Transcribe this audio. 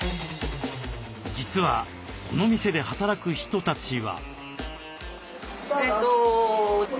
実はこの店で働く人たちは。